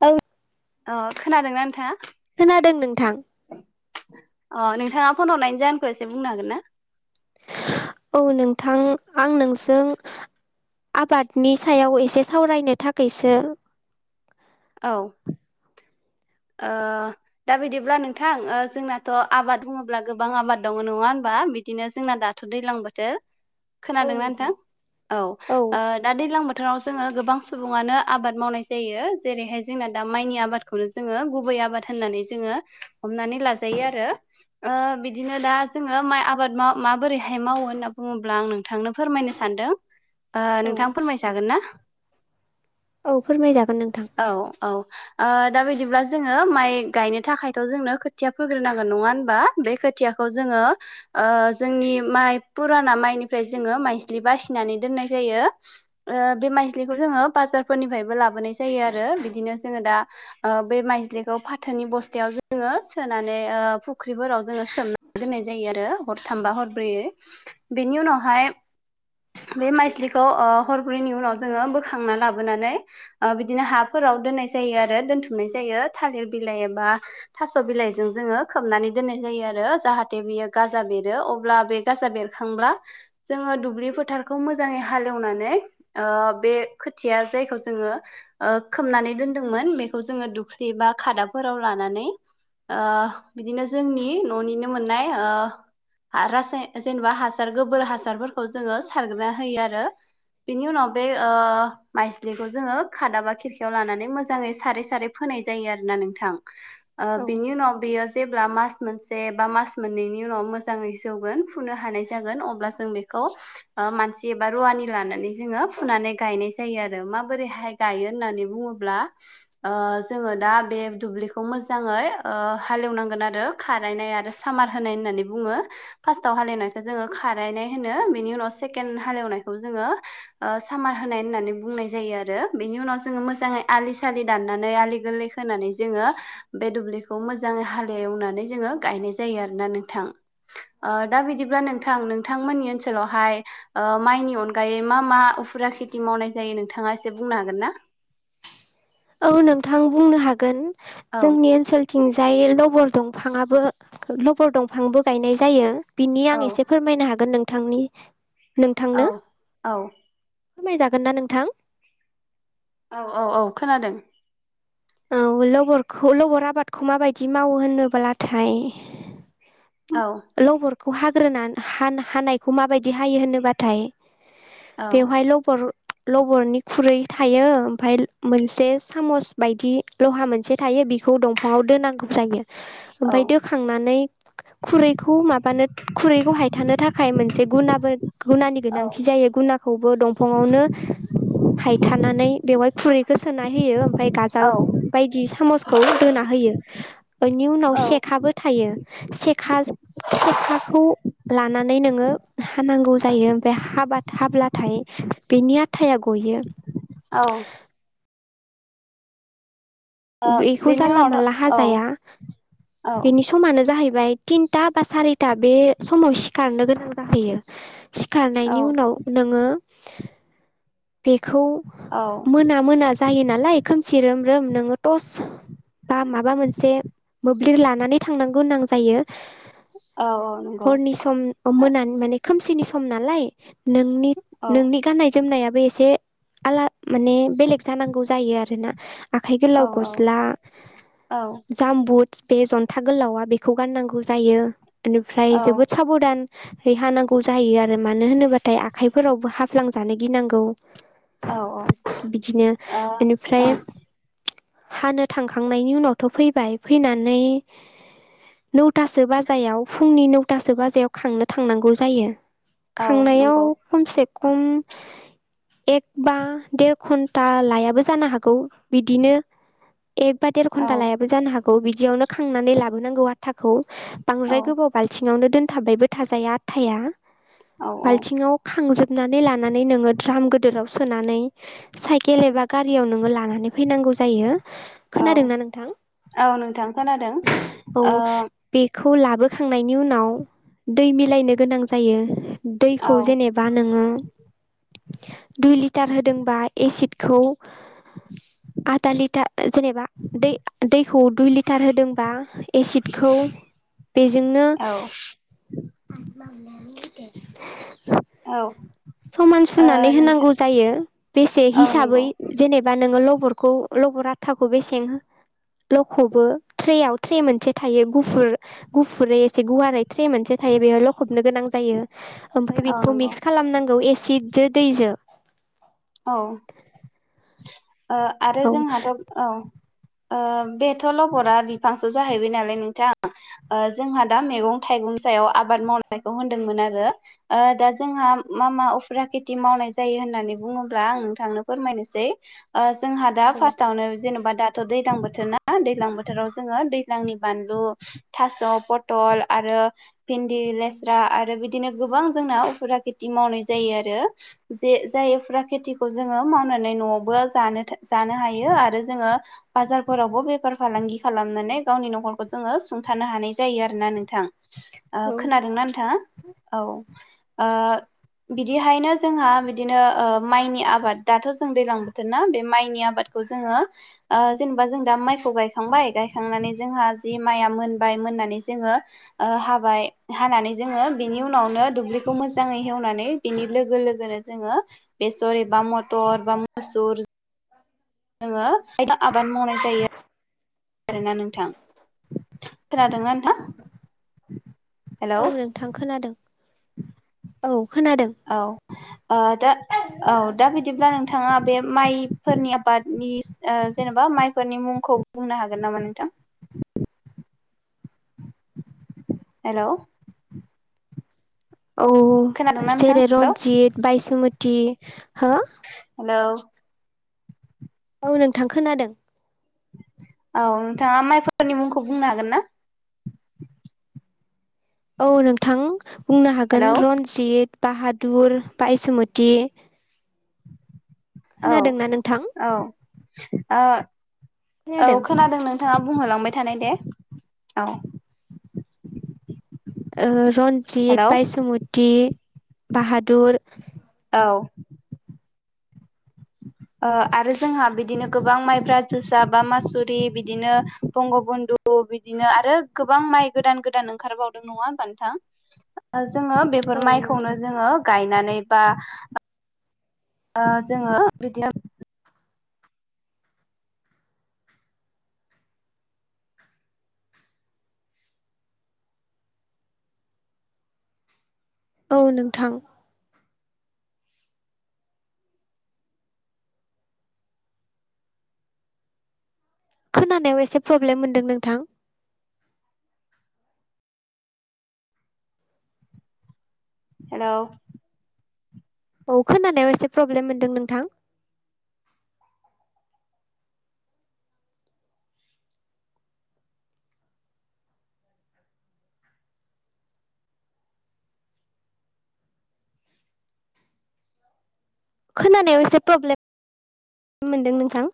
औ अ खोनादोंना नोंथाङा? खोनादों नोंथां। अ नोंथाङा फन हरनायनि जाहोनखौ एसे बुंनो हागोन ना! औ नोंथां आं नोंसों आबादनि सायाव एसे सावरायनो थाखायसो औ [inaudible] ओ दा बिदिब्ला नोंथां ओ जोंनाथ आबाद बुङोब्ला गोबां आबाद दङ। नङा होनबा? बिदिनो जोंना दाथ दैलां बोथोर खोनादोंना नोंथां औ ओ दा दैज्लां बोथ थोराव जोङो गोबां सुबुङानो आबाद मावनाय जायो। जेरैहाय जोंना दा माइनि आबादखौनो जोङो गुबै आबाद होननानै जोङो हमनानै लाजायो आरो। ओ बिदिनो दा जोङो माइ आबाद मा माबोरैहाय मावो होनना बुङोब्ला आं नोंथांनो फोरमाय नो सानदों ओ नोंथां फोरमाय जागोन ना? औ फोरमाय जाग औ औ ओ दाबाय दिब्ला जोङो माइ गायनो थाखायथ' जोंनो खोथिया फोग्रोनांगोन। नङा होनबा? बे खोथ थियाखौ जोङो ओ जोंनि माइ फुराना माइनिफ्राय जोङो माइज्लि बासिनानै दोननाय जायो ओ बे माइ माइज्लिखौ जोङो बाजारफोरनिफायबो लाबोनाय जायो आरो बिदिनो जोङो दा ओ बे माइजलिखौ फाथोनि बस्थायाव जोङो सोनानै ओ ओ फुख्रिफोराव जोङो सोमना दोननाय जायो आरो हरथामबा हरब्रैयै बेनि उनावहाय बे माइजिलिखौ ओ हरब्रैनि उनाव जोङो बोखांना लाबोनानै ओ बिदिनो हाफोराव दोननाय जायो आरो दोनथुमनाय जायो। थालिर बिलाइ एबा थास' बिलाइजों जो ङो खोबनानै दोननाय जायो आरो जाहाथे बेयो गाजा बेरो अब्ला बे गाजा बेरखांब्ला जोङो दुब्लि फोथारखौ मोजाङै हालेवनानै ओ बे खोथिया जायखौ जोङो ओ खोबनानै दोनदोंमोन बेखौ जोङो दुख्लि एबा खादाफोराव लानानै ओ बिदिनो जोंनि न'निनो मोननाय ओ आ रासाय जेनेबा हासार गोबोर हासारफोरखौ जोङो सारग्रोना होयो आरो। बिनि उनाव बे ओ माइजिलिखौ जोङो खादाबा खिरखायाव लानानै मोजाङै सारै सारै फोनाय जायो आरो ना नोंथां। ओ औ बिनि उनाव बिया जेब ब्ला मास मोनसे बा मास मोननैनि उनाव मोजाङै जौगोन फुनो हानाय जागोन अब्ला जों बेखौ ओ मानसि एबा रुवानि लानानै जोङो फुनानै गायनाय जायो आरो माबोरैहाय गायो होननानै बुङोब्ला ओ जोङो दा बे दुब्लिखौ मोजाङै ओ हाल एवनांगोन आरो खारायना आरो सामार होनाय होननानै बुङो। फासटाव हाल एवनायजखो जोङो खारायनाय होनो बेनि उनाव सेकेन्ड हालेवनायखौ जोङो ओ सामार होनाय होननानै बुंनाय जायो आरो। बिनि उनाव जोङो मोजाङै आलि सालि दाननानै आलि गोल्लै खोनानै जोङो बे दुब्लिखौ मोजां हाल एवनानै जोङो गायनाय जायो आर। ना नोंथां। ‌ ओ दा बिदिब्ला नोंथां नोंथांमोननि ओनसो सोलावहाय ओ माइनि अनगायै मा मा उफुरा खेथि मावनाय जायो नोंथाङा एसे बुंनो हागोन ना? औ नोंथां बुंनो हागोन औ जोंनि ओनसोल थिंजाय लबर दंफाङाबो लबर दंफांबो गायनाय जायो। बिनि औ आं एसे फोरमायनो हागोन नोंथांनि नोंथांनो औ औ। फोरमायजागोन ना नोंथां? औ औ औ खोनादों। औ लबरखौ लबर आबादखौ माबायदि मावो होनब्लाथाय औ लबरखौ हाग्रोना हान-हानायखौ माबायदि हायो होनोबाथाय औ बेवहाय ल'बर लबरनि खुरै थायो ओमफाय मोनसे सामस बायदि लहा मोनसे थायो बेखौ दंफाङाव दोनांगौ जायो। औ ओमफाय दोखांनानै खुरैखौ माबानो खुरैखौ हायथानो थाखाय मोनसे गुनाबो गुनानि औ गोनांथि जायो गुन नाखौबो दंफांआवनो हायथानानै बेवहाय खुरैखो सोनानै होयो। फाय गाजाल औ बायदि सामसखौ दोना होयो। बेनि उनाव औ सेखाबो थायो। सेखा सेखाखौ लानानै नोङो हानांगौ जायो ओमफाय हाबाथ हाब्लाथाय बिनि आथाया गय यो। औ ओ बेखौ बेनि जानला मानला उनावथ' औ हाजाया औ बेनि समानो जाहैबाय तिनथा बा सारिथा बे समाव सिखारनो गोनां जाहैयो। औ सिखारनायनि उनाव नोङो बेखौ औ मोना मोना जायो नालाय खोमसि रोम-रोम नोङो टस बा माबा मोनसे मोब्लिब लानानै थांनांगौनां जायो। औ नंगौ हरनि सम औ मोनानि माने खोमसिनि सम नालाय नोंनि औ नोंनि गाननाय जोमनाया से आला माने बेलेग जानांगौ जायो आरोना। आखाइ औ गोलाव औ गस्ला औ जामबुद बे जंथा गोलावा बेखौ गाननांगौ जायो इनिफ्राय औ जोबोद साबधान है हानांगौ जायो आरो मानो होनोब्लाथाय आखाइफोरावबो हाफ्लांजानो गिनांगौ। ओ बिदिनो औ बेनिफ्राय हानो थांखांनायनि उनावथ' फैबाय फैनानै नौथासो बाजायाव फुंनि नौथासो बाजायाव खांनो थांनांगौ जायो। औ खांनायाव नंगौ खमसे खम एक बा देर घन्टा लायाबो जानो हागौ बिदिनो एक बा देर औ घन्टा लायाबो जानो हागौ बिदियावनो खांनानै लाबोनांगौ आ थाखौ औ बांद्राय गोबाव बाल्थिङावनो दोनथाबबायबो थाजाया आथाया। औ औ बाल्थिङाव खांजोबनानै लानानै नोङो द्राम गोदोराव सोनानै साइकेल एबा गारियाव नोङो लानानै फैनांगौ जायो औ खोनादोंना नोंथां? औ नोंथां खोनादों ओ खौ लाबोखांनायनि उनाव दै मिलायनो गोनां जायो। औ दैखौ जेनेबा नोङो दुइ लिटार होदोंबा एसिडखौ आधा लिटा जेनेबा दै दैखौ दुइ लिटार होदोंबा एसिड खौ बेजोंनो औ [inaudible] औ समान ओ सुनानै नोंथां होनांगौ जायो बेसे औ हिसाबै नंगौ जेनेबा नोङो ल बरखौ लबर आथाखौ बेसें लखबो ट्रेयाव ट्रे मोनसे थायो गुफुर गुफुरै एसे गुवारै थट्रे मोनसे थायो बेवहाय लखबनो गोनां जायो। ओमफ्राय औ बेखौ नंगौ मिक्स खालामनांगौ एसिडजो दैजो। औ ओ आरो औ जोंहाथ' औ ओ बेथ' लबरा बिफांसो जाहैबाय नालाय नोंथां ओ जोंहा दा मेगं थाइ गंनि सायाव आबाद मावनायखौ होनदोंमोन आरो ओ दा जोंहा मा मा उफ्रा खेथि मावनाय जायो होननानै बुङोबो आं नोंथांनो फोरमायनोसै ओ जोंहा दा फास्तावनो जेनबा दाथ' दैलां बोथोर ना दैज्लां बोथोराव जोङो दैज्लांनि बानलु थास' पटल आ आरो भेन्दि लेस्रा आरो बिदिनो गोबां जोंना उफोरा खेथि मावनाय जायो आरो। जे जाय उफोरा खेथिखौ जोङो मावनानै न'आवबो जानो था जानो हायो आरो जोङो बाजारफोरावबो बेफा फार फालांगि खालामनानै गावनि नखरखौ जोङो सुंथानो हानाय जायो आरोना नोंथां। औ खोनादोंना नोंथाङा औ बिदिहायनो जोंहा बिदिनो माइनि आबाद दाथ' जों दैलां बोथोरना बे माइनि आबादखौ जोङो जेनेबा जों दा माइ खौ गायखांबाय गायखांनानै जोंहा जि मआ मोनबाय मोननानै जोङो हाबाय हानानै जोङो बिनि उनावनो दुब्लिखौ मोजाङै हेवनानै बिनि लोगो लोगोनो जोङो बेस'रि बा मतर बा मसुर जोङो खायदा आबाद मावनाय जायो आरोना नोंथां खोनादोंना नोंथां हेलौ औ नोंथां खोनादों औ खोनादों औ दा औ दा बिदिब्ला नों नोंथाङा बे माइफोरनि आबादनि जेनेबा माइफोरनि मुंखौ बुंनो हागोन नामा नोंथां [inaudible] हेल' औ नोंथां जेरै हेलौ रन्जित बायसुमति हो हेलौ औ नों थां खोनादों औ नोंथाङा माइफोरनि मुंखौ बुंनो हागोन ना औ नोंथां बुंनो हागोन हेलौ रन्जित बाहादुर बा एसुम ति औ औ ओ औ खोनादों नोंथाङा बुंहोलांबाय थानाय दे औ रन्जित हेलौ बायसुमति बाहादुर औ आरो जोंहा बिदिनो गोबां माइब्रा जोसा बा मासुरि बिदिनो बंगबन्धु बिदिनो आरो गोबां माइ गोदान गोदान ओंखारबावदों नङा नोंथां जोङो बेफोर औ माइखौनो नोंथां जोङो गायनानै बा जोङो बिदिनो औ नोंथां खोनानायाव एसे प्रब्लेम मोनदों नोंथां। हेल' औ खोनानायाव एसे प्रब्लेम मोनदों नोंथां खोनानायाव एसे प्रब्लेम मोनदों नोंथां